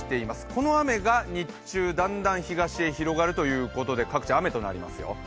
この雨が日中だんだん東へ広がるということで、各地、雨となりますよ。